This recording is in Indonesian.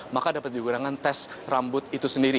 maka dapat digunakan tes rambut itu sendiri